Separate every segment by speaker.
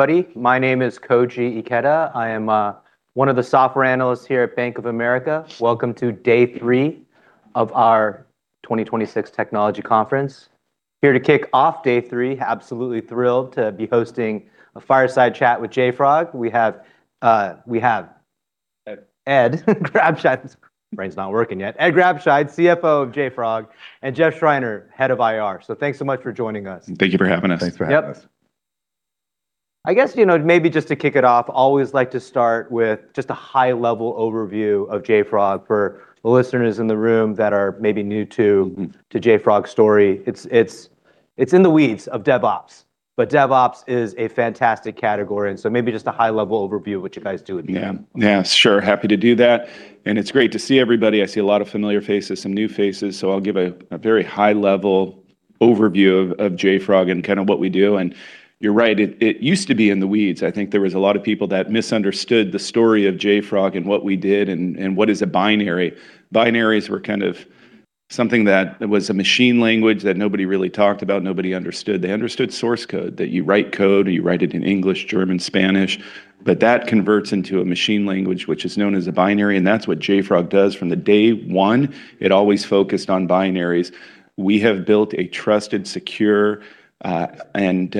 Speaker 1: buddy. My name is Koji Ikeda. I am one of the Software Analysts here at Bank of America. Welcome to day three of our 2026 Technology Conference. Here to kick off day three, absolutely thrilled to be hosting a fireside chat with JFrog. We have Ed Grabscheid. Brain's not working yet. Ed Grabscheid, CFO of JFrog, and Jeffrey Schreiner, Head of IR. Thanks so much for joining us.
Speaker 2: Thank you for having us.
Speaker 3: Thanks for having us.
Speaker 1: Yep. I guess, maybe just to kick it off, always like to start with just a high-level overview of JFrog for the listeners in the room that are maybe new to JFrog's story. It's in the weeds of DevOps. DevOps is a fantastic category. Maybe just a high-level overview of what you guys do would be.
Speaker 2: Yeah. Sure. Happy to do that. It's great to see everybody. I see a lot of familiar faces, some new faces, so I'll give a very high-level overview of JFrog and what we do. You're right, it used to be in the weeds. I think there was a lot of people that misunderstood the story of JFrog and what we did and what is a binary. Binaries were something that was a machine language that nobody really talked about, nobody understood. They understood source code, that you write code or you write it in English, German, Spanish, but that converts into a machine language, which is known as a binary, and that's what JFrog does. From the day one, it always focused on binaries. We have built a trusted, secure, and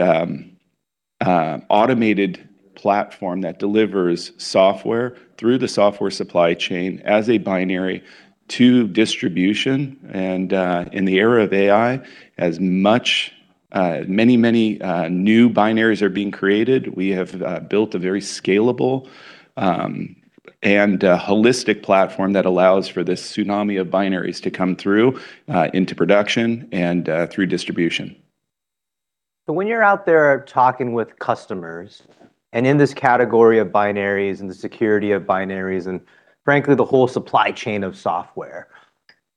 Speaker 2: automated platform that delivers software through the software supply chain as a binary to distribution. In the era of AI, as many new binaries are being created, we have built a very scalable and holistic platform that allows for this tsunami of binaries to come through into production and through distribution.
Speaker 1: When you're out there talking with customers, and in this category of binaries and the security of binaries, and frankly, the whole supply chain of software.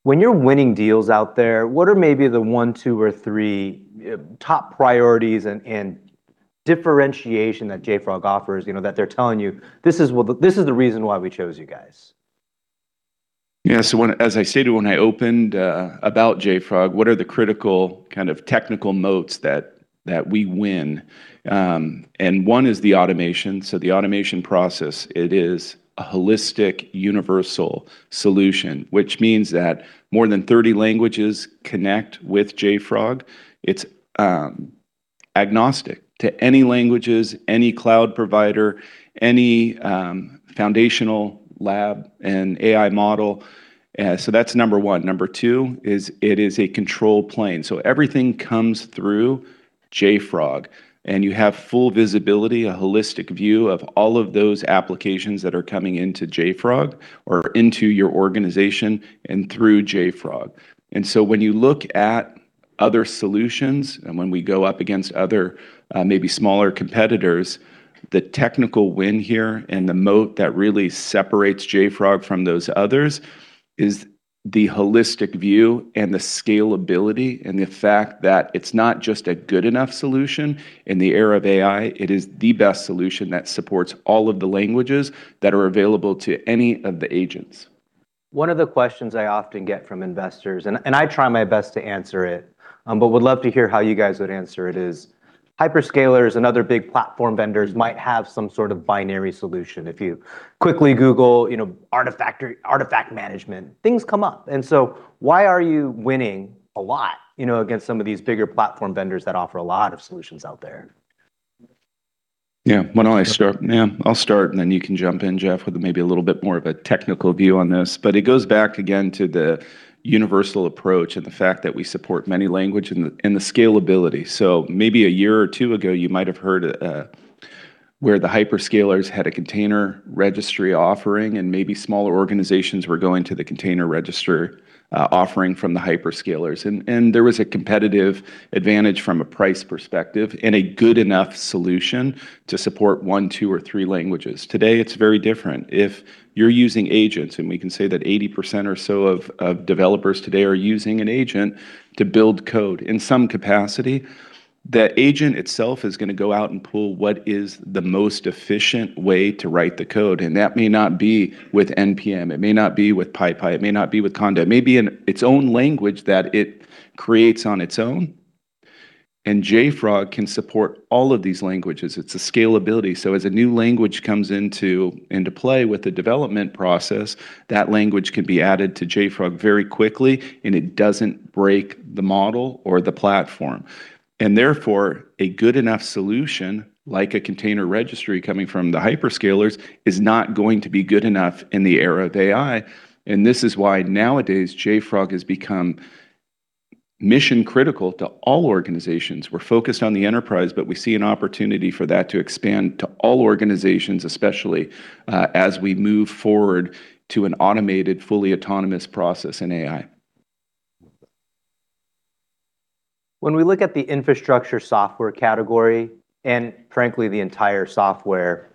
Speaker 1: When you're winning deals out there, what are maybe the one, two, or three top priorities and differentiation that JFrog offers, that they're telling you, "This is the reason why we chose you guys"?
Speaker 2: Yeah. As I said when I opened about JFrog, what are the critical kind of technical moats that we win? One is the automation. The automation process, it is a holistic, universal solution, which means that more than 30 languages connect with JFrog. It's agnostic to any languages, any cloud provider, any foundational lab and AI model. That's number 1. Number 2 is it is a control plane. Everything comes through JFrog, and you have full visibility, a holistic view of all of those applications that are coming into JFrog or into your organization and through JFrog. When you look at other solutions, and when we go up against other maybe smaller competitors, the technical win here and the moat that really separates JFrog from those others is the holistic view and the scalability and the fact that it's not just a good enough solution. In the era of AI, it is the best solution that supports all of the languages that are available to any of the agents.
Speaker 1: One of the questions I often get from investors, and I try my best to answer it, but would love to hear how you guys would answer it is, hyperscalers and other big platform vendors might have some sort of binary solution. If you quickly Google artifact management, things come up, and so why are you winning a lot against some of these bigger platform vendors that offer a lot of solutions out there?
Speaker 2: Yeah. Why don't I start? Yeah. I'll start, and then you can jump in, Jeff, with maybe a little bit more of a technical view on this. It goes back again to the universal approach and the fact that we support many languages and the scalability. Maybe a year or two ago, you might have heard where the hyperscalers had a container registry offering, and maybe smaller organizations were going to the container registry offering from the hyperscalers, and there was a competitive advantage from a price perspective and a good enough solution to support one, two, or three languages. Today, it's very different. If you're using agents, and we can say that 80% or so of developers today are using an agent to build code in some capacity, that agent itself is going to go out and pull what is the most efficient way to write the code, and that may not be with NPM. It may not be with PyPI. It may not be with Conda. It may be in its own language that it creates on its own. JFrog can support all of these languages. It's a scalability, so as a new language comes into play with the development process, that language can be added to JFrog very quickly. It doesn't break the model or the platform. Therefore, a good enough solution, like a container registry coming from the hyperscalers, is not going to be good enough in the era of AI. This is why nowadays JFrog has become mission critical to all organizations. We're focused on the enterprise, but we see an opportunity for that to expand to all organizations, especially as we move forward to an automated, fully autonomous process in AI.
Speaker 1: When we look at the infrastructure software category, and frankly, the entire software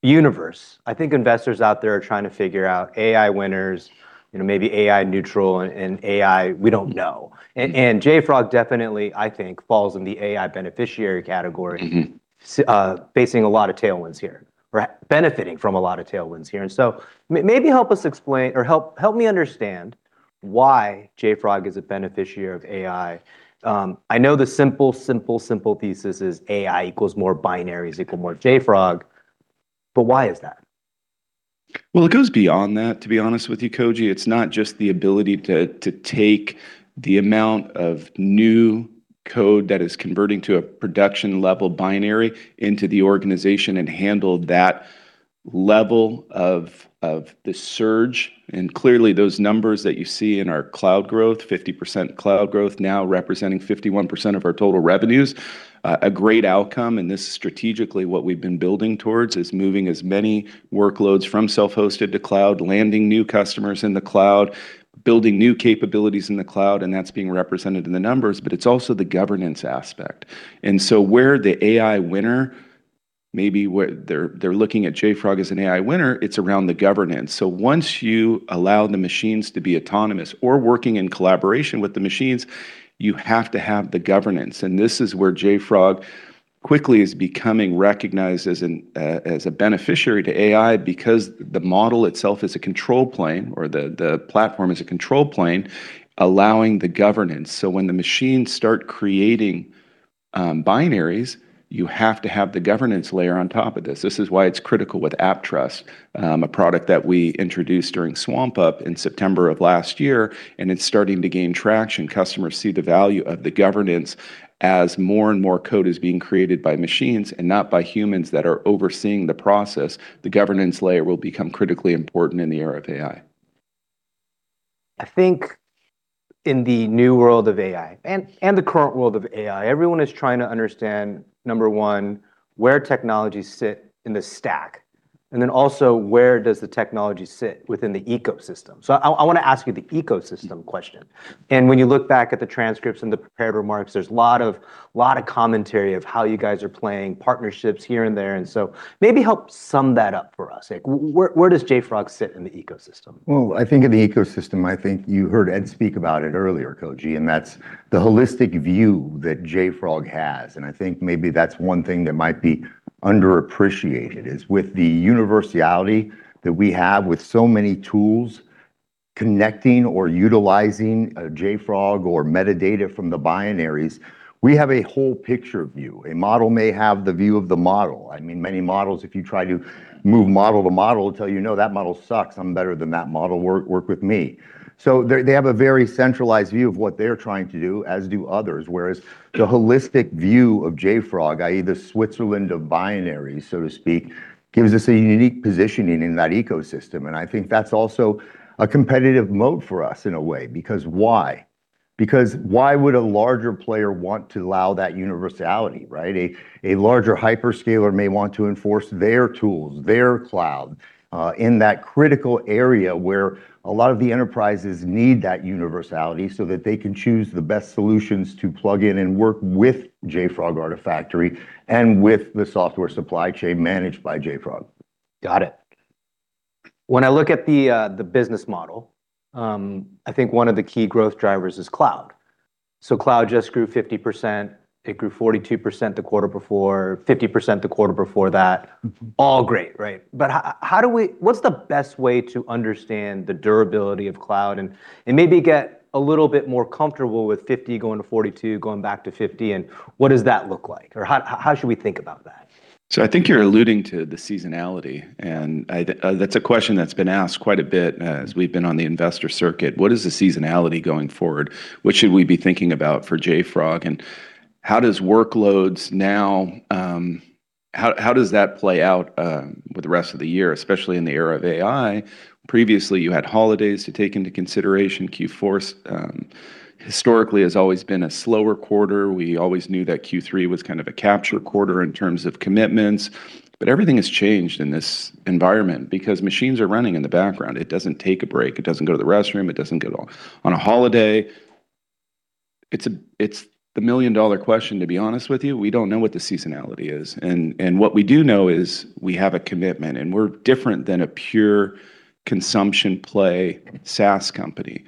Speaker 1: universe, I think investors out there are trying to figure out AI winners, maybe AI neutral, and AI we don't know. JFrog definitely, I think, falls in the AI beneficiary category. facing a lot of tailwinds here, or benefiting from a lot of tailwinds here. Maybe help us explain or help me understand why JFrog is a beneficiary of AI. I know the simple thesis is AI equals more binaries equal more JFrog, but why is that?
Speaker 2: Well, it goes beyond that, to be honest with you, Koji. It's not just the ability to take the amount of new code that is converting to a production-level binary into the organization and handle that level of the surge. Clearly those numbers that you see in our cloud growth, 50% cloud growth now representing 51% of our total revenues, a great outcome, and this is strategically what we've been building towards is moving as many workloads from self-hosted to cloud, landing new customers in the cloud, building new capabilities in the cloud, and that's being represented in the numbers, but it's also the governance aspect. Where the AI winner, maybe where they're looking at JFrog as an AI winner, it's around the governance. Once you allow the machines to be autonomous or working in collaboration with the machines, you have to have the governance. This is where JFrog quickly is becoming recognized as a beneficiary to AI because the model itself is a control plane, or the platform is a control plane, allowing the governance. When the machines start creating binaries, you have to have the governance layer on top of this. This is why it's critical with AppTrust, a product that we introduced during swampUP in September of last year, and it's starting to gain traction. Customers see the value of the governance as more and more code is being created by machines and not by humans that are overseeing the process. The governance layer will become critically important in the era of AI.
Speaker 1: I think in the new world of AI and the current world of AI, everyone is trying to understand, number one, where technologies sit in the stack, and then also where does the technology sit within the ecosystem. I want to ask you the ecosystem question. When you look back at the transcripts and the prepared remarks, there's lot of commentary of how you guys are playing partnerships here and there, maybe help sum that up for us. Where does JFrog sit in the ecosystem?
Speaker 3: Well, I think in the ecosystem, I think you heard Ed speak about it earlier, Koji, and that's the holistic view that JFrog has. I think maybe that's one thing that might be underappreciated is with the universality that we have with so many tools connecting or utilizing JFrog or metadata from the binaries, we have a whole picture view. A model may have the view of the model. I mean, many models, if you try to move model to model, tell you, "No, that model sucks. I'm better than that model. Work with me." They have a very centralized view of what they're trying to do, as do others, whereas the holistic view of JFrog, i.e. the Switzerland of binaries, so to speak, gives us a unique positioning in that ecosystem. I think that's also a competitive mode for us in a way because why? Why would a larger player want to allow that universality, right? A larger hyperscaler may want to enforce their tools, their cloud, in that critical area where a lot of the enterprises need that universality so that they can choose the best solutions to plug in and work with JFrog Artifactory and with the software supply chain managed by JFrog.
Speaker 1: Got it. When I look at the business model, I think one of the key growth drivers is cloud. Cloud just grew 50%. It grew 42% the quarter before, 50% the quarter before that. All great, right? What's the best way to understand the durability of cloud and maybe get a little bit more comfortable with 50 going to 42, going back to 50, and what does that look like? How should we think about that?
Speaker 2: I think you're alluding to the seasonality, and that's a question that's been asked quite a bit as we've been on the investor circuit. What is the seasonality going forward? What should we be thinking about for JFrog, and how does workloads now play out with the rest of the year, especially in the era of AI? Previously, you had holidays to take into consideration. Q4 historically has always been a slower quarter. We always knew that Q3 was kind of a capture quarter in terms of commitments. Everything has changed in this environment because machines are running in the background. It doesn't take a break. It doesn't go to the restroom. It doesn't go on a holiday. It's the million-dollar question, to be honest with you. We don't know what the seasonality is. What we do know is we have a commitment, and we're different than a pure consumption play SaaS company.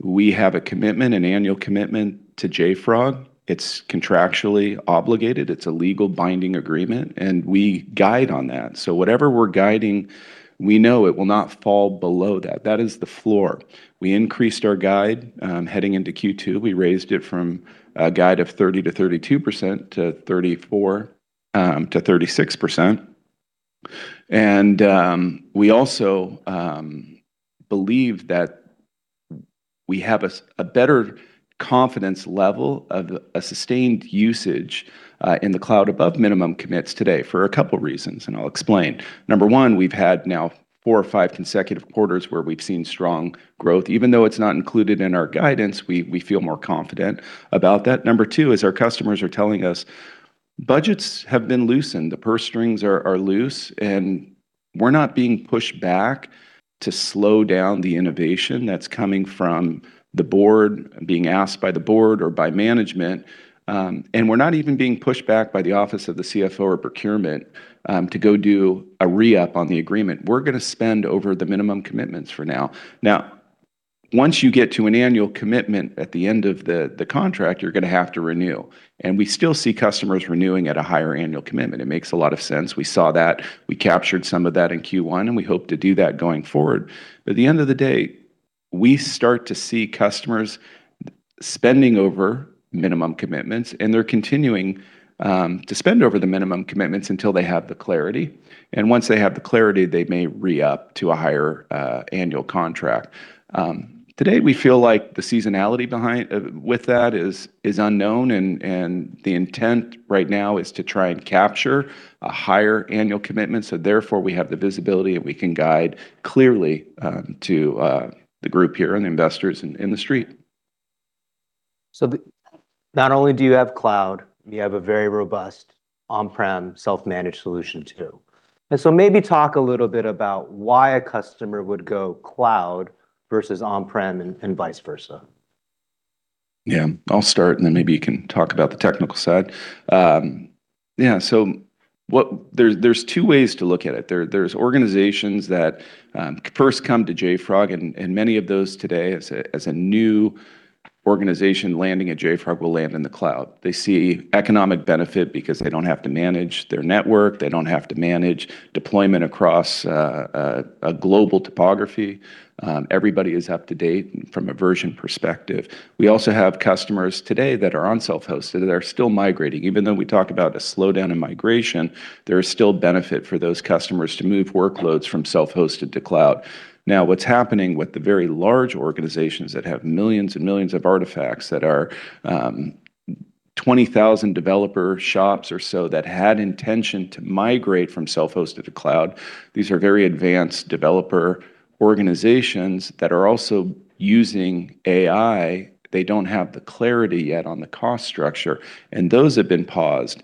Speaker 2: We have a commitment, an annual commitment to JFrog. It's contractually obligated. It's a legal binding agreement, and we guide on that. Whatever we're guiding, we know it will not fall below that. That is the floor. We increased our guide, heading into Q2. We raised it from a guide of 30%-32% to 34%-36%. We also believe that we have a better confidence level of a sustained usage in the cloud above minimum commits today for a couple reasons, and I'll explain. Number 1, we've had now four or five consecutive quarters where we've seen strong growth. Even though it's not included in our guidance, we feel more confident about that. Number 2 is our customers are telling us budgets have been loosened. The purse strings are loose. We're not being pushed back to slow down the innovation that's coming from the board, being asked by the board or by management. We're not even being pushed back by the office of the CFO or procurement, to go do a re-up on the agreement. We're going to spend over the minimum commitments for now. Now, once you get to an annual commitment at the end of the contract, you're going to have to renew. We still see customers renewing at a higher annual commitment. It makes a lot of sense. We saw that. We captured some of that in Q1, and we hope to do that going forward. At the end of the day, we start to see customers spending over minimum commitments, and they're continuing to spend over the minimum commitments until they have the clarity. Once they have the clarity, they may re-up to a higher annual contract. Today, we feel like the seasonality with that is unknown and the intent right now is to try and capture a higher annual commitment. Therefore, we have the visibility and we can guide clearly to the group here and the investors in the street.
Speaker 1: Not only do you have cloud, you have a very robust on-prem, self-managed solution too. Maybe talk a little bit about why a customer would go cloud versus on-prem and vice versa.
Speaker 2: I'll start and then maybe you can talk about the technical side. There's two ways to look at it. There's organizations that first come to JFrog, and many of those today as a new organization landing at JFrog will land in the cloud. They see economic benefit because they don't have to manage their network, they don't have to manage deployment across a global topography. Everybody is up to date from a version perspective. We also have customers today that are on self-hosted that are still migrating. Even though we talk about a slowdown in migration, there is still benefit for those customers to move workloads from self-hosted to cloud. What's happening with the very large organizations that have millions and millions of artifacts that are 20,000 developer shops or so that had intention to migrate from self-hosted to cloud, these are very advanced developer organizations that are also using AI. They don't have the clarity yet on the cost structure. Those have been paused.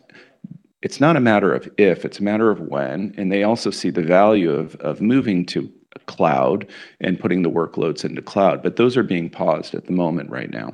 Speaker 2: It's not a matter of if, it's a matter of when. They also see the value of moving to cloud and putting the workloads into cloud. Those are being paused at the moment right now.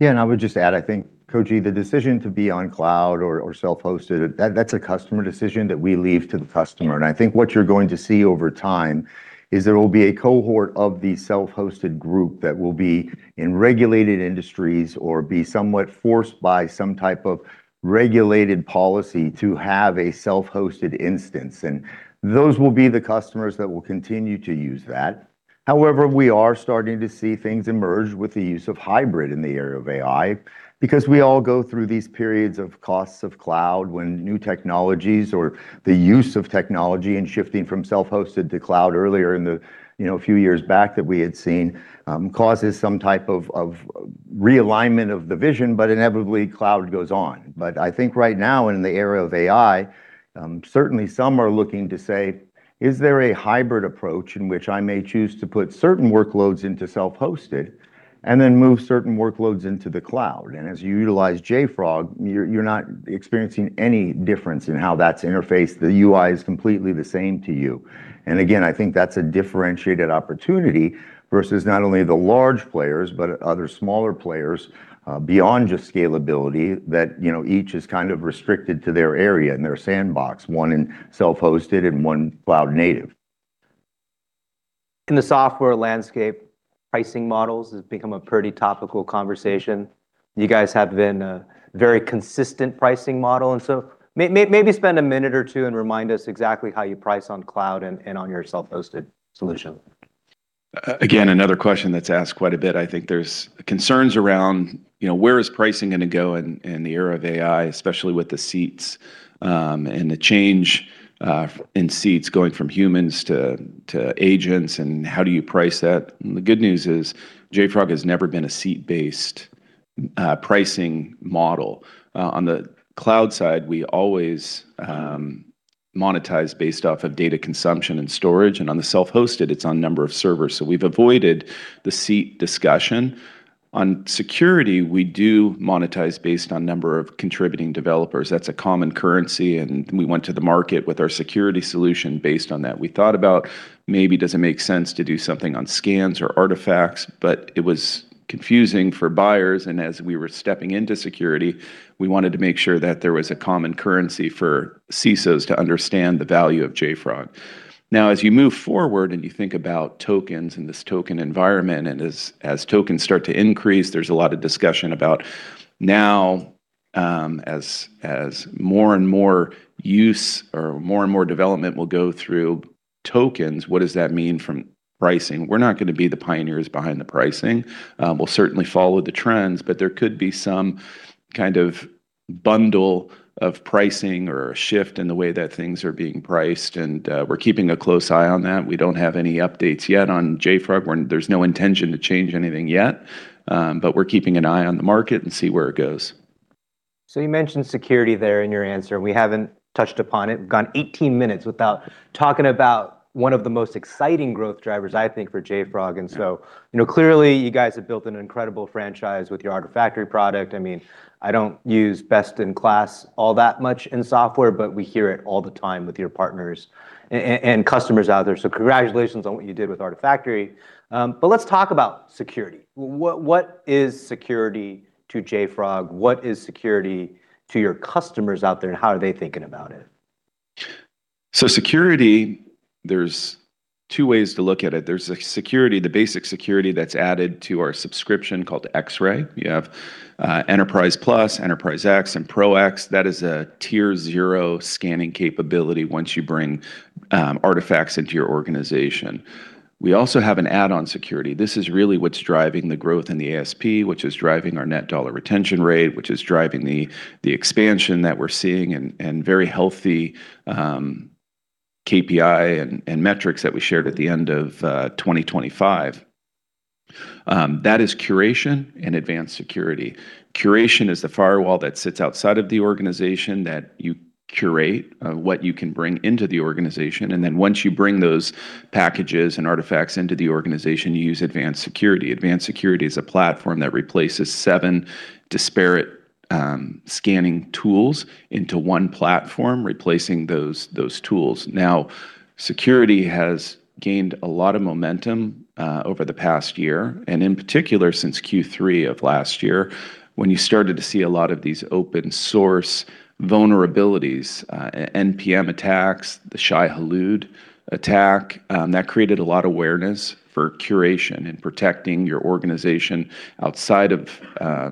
Speaker 3: I would just add, I think, Koji, the decision to be on cloud or self-hosted, that's a customer decision that we leave to the customer. I think what you're going to see over time is there will be a cohort of the self-hosted group that will be in regulated industries or be somewhat forced by some type of regulated policy to have a self-hosted instance, and those will be the customers that will continue to use that. However, we are starting to see things emerge with the use of hybrid in the era of AI because we all go through these periods of costs of cloud when new technologies or the use of technology and shifting from self-hosted to cloud earlier in the few years back that we had seen, causes some type of realignment of the vision. Inevitably cloud goes on. I think right now in the era of AI, certainly some are looking to say, "Is there a hybrid approach in which I may choose to put certain workloads into self-hosted and then move certain workloads into the cloud?" As you utilize JFrog, you're not experiencing any difference in how that's interfaced. The UI is completely the same to you. Again, I think that's a differentiated opportunity versus not only the large players, but other smaller players, beyond just scalability, that each is kind of restricted to their area and their sandbox, one in self-hosted and one cloud native.
Speaker 1: In the software landscape, pricing models have become a pretty topical conversation. You guys have been a very consistent pricing model. Maybe spend a minute or two and remind us exactly how you price on cloud and on your self-hosted solution.
Speaker 2: Again, another question that's asked quite a bit. I think there's concerns around where is pricing going to go in the era of AI, especially with the seats, and the change in seats going from humans to agents, and how do you price that? The good news is JFrog has never been a seat-based pricing model. On the cloud side, we always monetize based off of data consumption and storage, and on the self-hosted, it's on number of servers. We've avoided the seat discussion. On security, we do monetize based on number of contributing developers. That's a common currency, we went to the market with our security solution based on that. We thought about maybe does it make sense to do something on scans or artifacts, but it was confusing for buyers. As we were stepping into security, we wanted to make sure that there was a common currency for CISOs to understand the value of JFrog. As you move forward and you think about tokens and this token environment and as tokens start to increase, there's a lot of discussion about now as more and more use or more and more development will go through tokens, what does that mean from pricing? We're not going to be the pioneers behind the pricing. We'll certainly follow the trends. There could be some kind of bundle of pricing or a shift in the way that things are being priced. We're keeping a close eye on that. We don't have any updates yet on JFrog. There's no intention to change anything yet, but we're keeping an eye on the market and see where it goes.
Speaker 1: You mentioned security there in your answer, and we haven't touched upon it. We've gone 18 min without talking about one of the most exciting growth drivers, I think, for JFrog. Clearly you guys have built an incredible franchise with your Artifactory product. I don't use best in class all that much in software, but we hear it all the time with your partners and customers out there. Congratulations on what you did with Artifactory. Let's talk about security. What is security to JFrog? What is security to your customers out there, and how are they thinking about it?
Speaker 2: Security, there's two ways to look at it. There's a security that's added to our subscription called Xray. You have Enterprise+, Enterprise X, and Pro X. That is a tier 0 scanning capability once you bring artifacts into your organization. We also have an add-on security. This is really what's driving the growth in the ASP, which is driving our net dollar retention rate, which is driving the expansion that we're seeing and very healthy KPI and metrics that we shared at the end of 2025. That is Curation and Advanced Security. Curation is the firewall that sits outside of the organization that you curate, what you can bring into the organization, and then once you bring those packages and artifacts into the organization, you use Advanced Security. Advanced Security is a platform that replaces seven disparate scanning tools into one platform, replacing those tools. Now, security has gained a lot of momentum over the past year, and in particular since Q3 of last year, when you started to see a lot of these open source vulnerabilities, NPM attacks, the Shai-Hulud attack. That created a lot of awareness for curation and protecting your organization outside of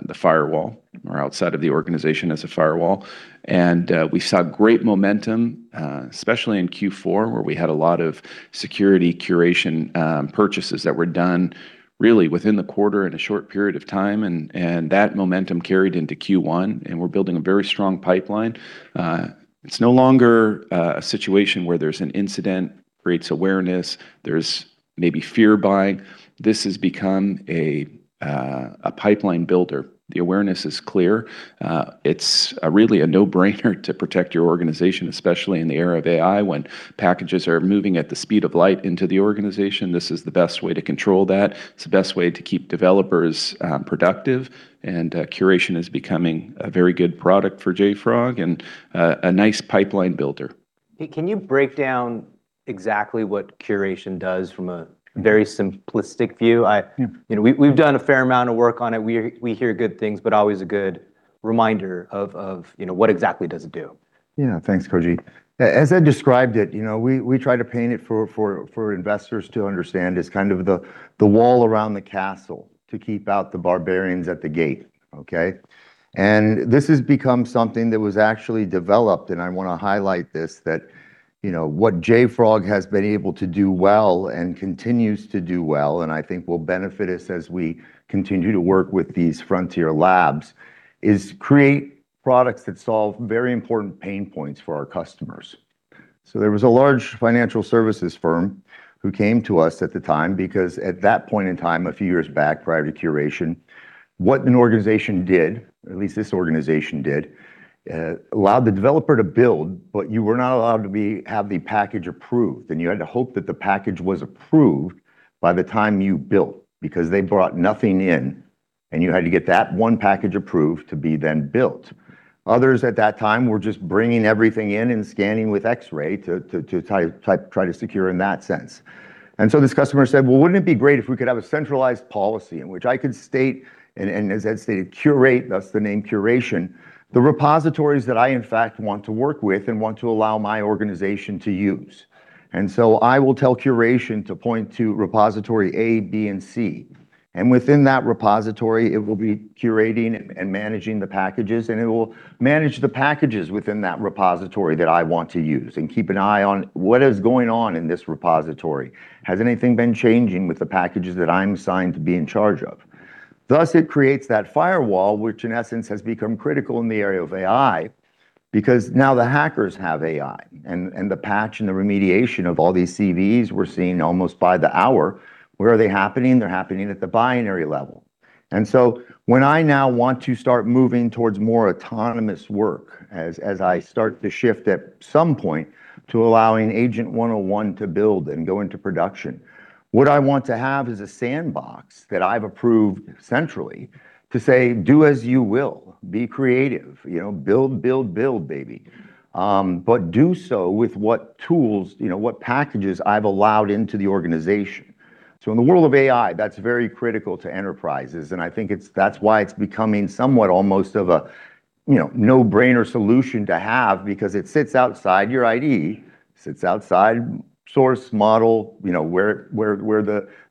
Speaker 2: the firewall or outside of the organization as a firewall. We saw great momentum, especially in Q4, where we had a lot of security curation purchases that were done really within the quarter in a short period of time and that momentum carried into Q1 and we're building a very strong pipeline. It's no longer a situation where there's an incident, creates awareness, there's maybe fear buying. This has become a pipeline builder. The awareness is clear. It's really a no-brainer to protect your organization, especially in the era of AI when packages are moving at the speed of light into the organization. This is the best way to control that. It's the best way to keep developers productive and Curation is becoming a very good product for JFrog and a nice pipeline builder.
Speaker 1: Can you break down exactly what Curation does from a very simplistic view?
Speaker 2: Yeah.
Speaker 1: We've done a fair amount of work on it. We hear good things, but always a good reminder of what exactly does it do.
Speaker 3: Yeah. Thanks, Koji. As Ed described it, we try to paint it for investors to understand as kind of the wall around the castle to keep out the barbarians at the gate, okay? This has become something that was actually developed, and I want to highlight this, that what JFrog has been able to do well and continues to do well, and I think will benefit us as we continue to work with these frontier labs, is create products that solve very important pain points for our customers. There was a large financial services firm who came to us at the time because at that point in time, a few years back, prior to curation, what an organization did, or at least this organization did, allowed the developer to build, but you were not allowed to have the package approved and you had to hope that the package was approved by the time you built because they brought nothing in, and you had to get that one package approved to be then built. Others at that time were just bringing everything in and scanning with Xray to try to secure in that sense. This customer said, "Well, wouldn't it be great if we could have a centralized policy in which I could state and, as Ed stated, curate," thus the name curation, "the repositories that I in fact want to work with and want to allow my organization to use. I will tell curation to point to repository A, B, and C and within that repository it will be curating and managing the packages and it will manage the packages within that repository that I want to use and keep an eye on what is going on in this repository. Has anything been changing with the packages that I'm assigned to be in charge of?" Thus it creates that firewall which in essence has become critical in the area of AI because now the hackers have AI and the patch and the remediation of all these CVEs we're seeing almost by the hour. Where are they happening? They're happening at the binary level. When I now want to start moving towards more autonomous work as I start to shift at some point to allowing Agent 101 to build and go into production, what I want to have is a sandbox that I've approved centrally to say, "Do as you will. Be creative. Build, build, baby." Do so with what tools, what packages I've allowed into the organization. In the world of AI, that's very critical to enterprises and I think that's why it's becoming somewhat almost of a no-brainer solution to have because it sits outside your IDE, sits outside source model, where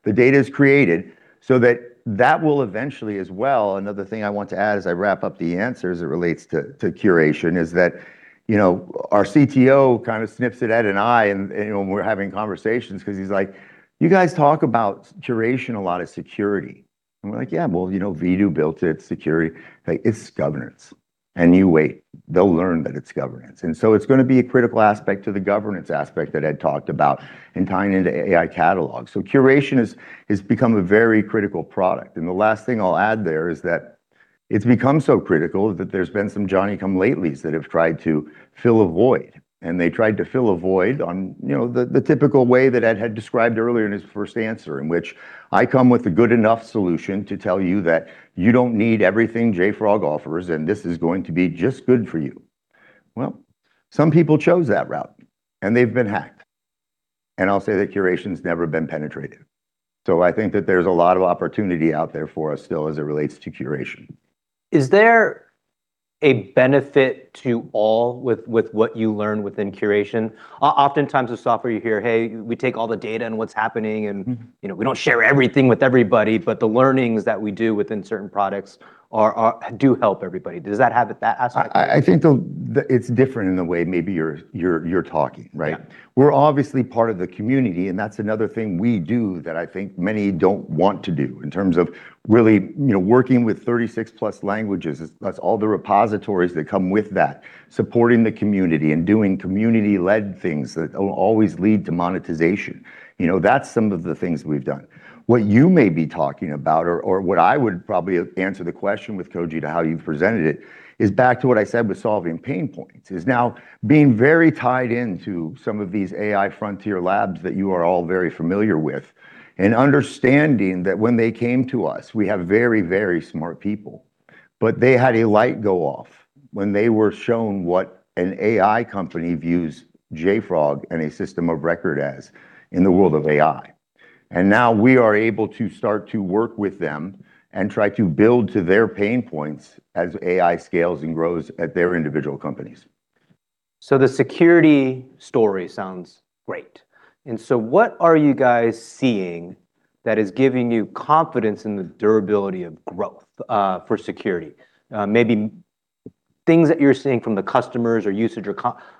Speaker 3: the data is created so that will eventually as well, another thing I want to add as I wrap up the answer as it relates to curation is that our CTO kind of sniffs it at an eye and we're having conversations because he's like, "You guys talk about curation a lot as security." We're like, "Yeah, well, Vdoo built it security." It's governance and you wait. They'll learn that it's governance. It's going to be a critical aspect to the governance aspect that Ed talked about and tying into AI catalog. Curation has become a very critical product and the last thing I'll add there is that it's become so critical that there's been some Johnny-come-latelies that have tried to fill a void and they tried to fill a void on the typical way that Ed had described earlier in his first answer in which I come with a good enough solution to tell you that you don't need everything JFrog offers and this is going to be just good for you. Some people chose that route and they've been hacked. I'll say that curation's never been penetrated. I think that there's a lot of opportunity out there for us still as it relates to curation.
Speaker 1: Is there a benefit to all with what you learn within curation? Oftentimes with software, you hear, "Hey, we take all the data and what's happening, and we don't share everything with everybody, but the learnings that we do within certain products do help everybody." Does that have that aspect to it?
Speaker 3: I think it's different in the way maybe you're talking, right?
Speaker 1: Yeah.
Speaker 3: We're obviously part of the community, and that's another thing we do that I think many don't want to do in terms of really working with 36+ languages. That's all the repositories that come with that. Supporting the community and doing community-led things that always lead to monetization. That's some of the things we've done. What you may be talking about or what I would probably answer the question with, Koji, to how you've presented it, is back to what I said with solving pain points, is now being very tied into some of these AI frontier labs that you are all very familiar with and understanding that when they came to us, we have very smart people. They had a light go off when they were shown what an AI company views JFrog and a system of record as in the world of AI. Now we are able to start to work with them and try to build to their pain points as AI scales and grows at their individual companies.
Speaker 1: The security story sounds great. What are you guys seeing that is giving you confidence in the durability of growth for security? Maybe things that you're seeing from the customers or usage or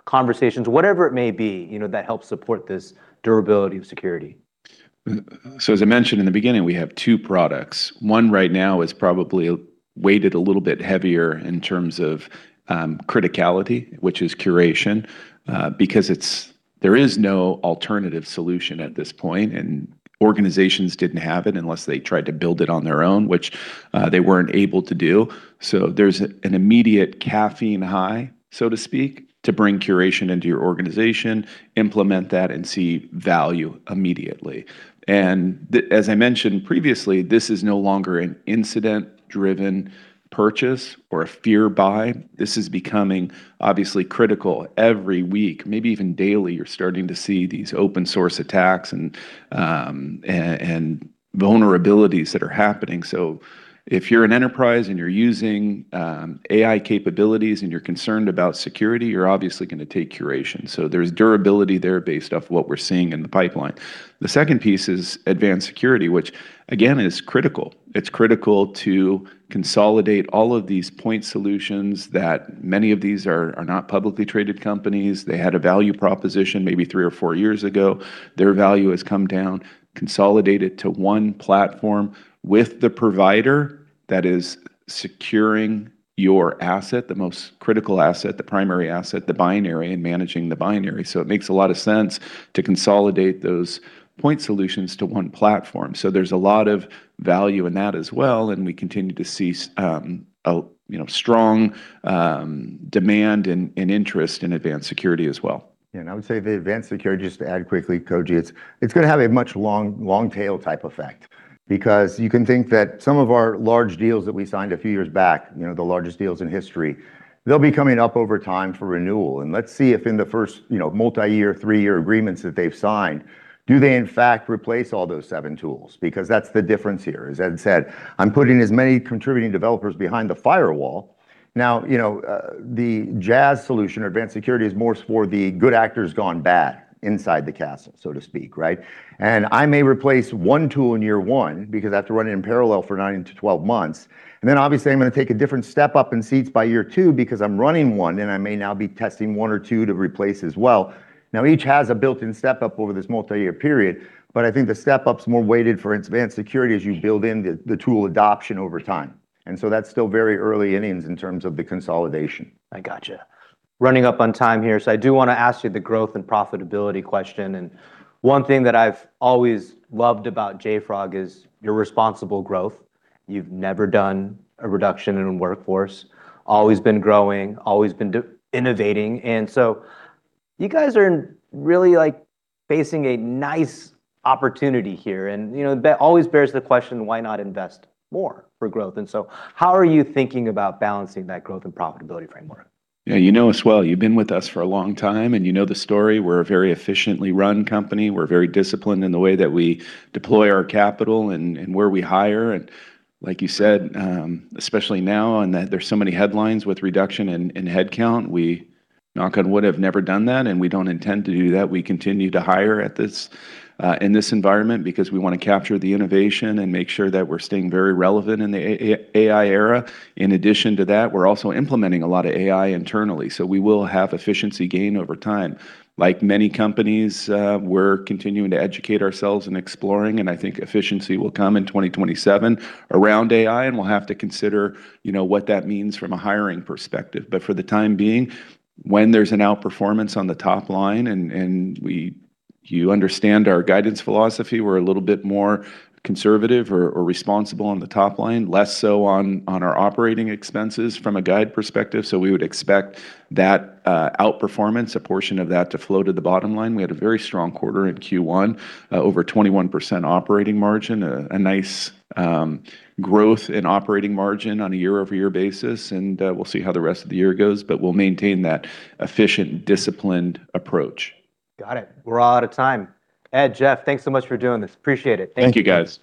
Speaker 1: conversations, whatever it may be, that helps support this durability of security.
Speaker 2: As I mentioned in the beginning, we have two products. One right now is probably weighted a little bit heavier in terms of criticality, which is Curation because there is no alternative solution at this point, and organizations didn't have it unless they tried to build it on their own, which they weren't able to do. There's an immediate caffeine high, so to speak, to bring Curation into your organization, implement that, and see value immediately. As I mentioned previously, this is no longer an incident-driven purchase or a fear buy. This is becoming obviously critical every week, maybe even daily. You're starting to see these open source attacks and vulnerabilities that are happening. If you're an enterprise and you're using AI capabilities and you're concerned about security, you're obviously going to take Curation. There's durability there based off what we're seeing in the pipeline. The second piece is Advanced Security, which again is critical. It's critical to consolidate all of these point solutions that many of these are not publicly traded companies. They had a value proposition maybe three or four years ago. Their value has come down, consolidated to one platform with the provider that is securing your asset, the most critical asset, the primary asset, the binary, and managing the binary. It makes a lot of sense to consolidate those point solutions to one platform. There's a lot of value in that as well, and we continue to see strong demand and interest in Advanced Security as well.
Speaker 3: I would say the JFrog Advanced Security, just to add quickly, Koji, it's going to have a much long tail type effect because you can think that some of our large deals that we signed a few years back, the largest deals in history, they'll be coming up over time for renewal. Let's see if in the first multi-year, three-year agreements that they've signed, do they in fact replace all those seven tools? Because that's the difference here. As Ed said, I'm putting as many contributing developers behind the firewall. Now, the JFrog Advanced Security or JFrog Advanced Security is more for the good actors gone bad inside the castle, so to speak, right? I may replace one tool in year one because I have to run it in parallel for nine to 12 months, then obviously I'm going to take a different step up in seats by year two because I'm running one and I may now be testing one or two to replace as well. Now each has a built-in step-up over this multi-year period, but I think the step-up's more weighted for Advanced Security as you build in the tool adoption over time. That's still very early innings in terms of the consolidation.
Speaker 1: I got you. Running up on time here, so I do want to ask you the growth and profitability question, and one thing that I've always loved about JFrog is your responsible growth. You've never done a reduction in workforce, always been growing, always been innovating, and so you guys are really facing a nice opportunity here and that always bears the question, why not invest more for growth? How are you thinking about balancing that growth and profitability framework?
Speaker 2: Yeah, you know us well. You've been with us for a long time and you know the story. We're a very efficiently run company. We're very disciplined in the way that we deploy our capital and where we hire and like you said, especially now on that there's so many headlines with reduction in headcount. We, knock on wood, have never done that and we don't intend to do that. We continue to hire in this environment because we want to capture the innovation and make sure that we're staying very relevant in the AI era. In addition to that, we're also implementing a lot of AI internally, so we will have efficiency gain over time. Like many companies, we're continuing to educate ourselves and exploring, and I think efficiency will come in 2027 around AI, and we'll have to consider what that means from a hiring perspective. For the time being, when there's an outperformance on the top line and you understand our guidance philosophy, we're a little bit more conservative or responsible on the top line, less so on our operating expenses from a guide perspective. We would expect that outperformance, a portion of that to flow to the bottom line. We had a very strong quarter in Q1, over 21% operating margin, a nice growth in operating margin on a year-over-year basis, we'll see how the rest of the year goes, but we'll maintain that efficient, disciplined approach.
Speaker 1: Got it. We're out of time. Ed, Jeff, thanks so much for doing this. Appreciate it. Thank you.
Speaker 2: Thank you, guys.